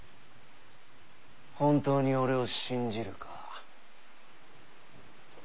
本当に俺を信じるか。